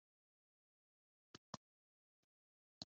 yehova avuga wowe urimbura